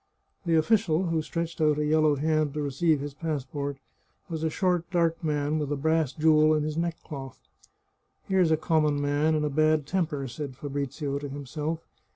The official who stretched out a yellow hand to receive his passport was a short, dark man, with a brass jewel in his neckcloth. " Here's a common man, in a bad temper," said Fabrizio to himself.